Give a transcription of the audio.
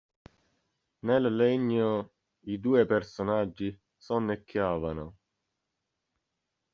Nel legno i due personaggi sonnecchiavano.